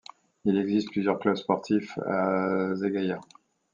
Il existe plusieurs clubs sportifs à Zéghaia.